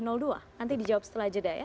nanti dijawab setelah jeda ya